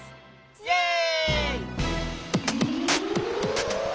イエーイ！